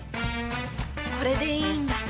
これでいいんだ。